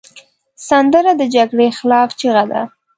سندره د جګړې خلاف چیغه ده